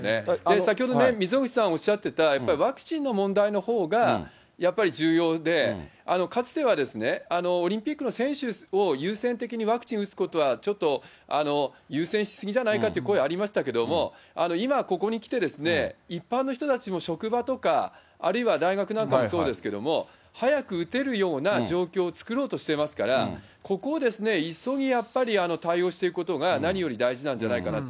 先ほど溝口さんがおっしゃってたやっぱりワクチンの問題のほうが、やっぱり重要で、かつてはオリンピックの選手を優先的にワクチン打つことはちょっと、優先しすぎじゃないかという声ありましたけれども、今はここに来てですね、一般の人たちも職場とか、あるいは大学なんかもそうですけど、早く打てるような状況を作ろうとしていますから、ここを急ぎやっぱり対応していくことが何より大事なんじゃないか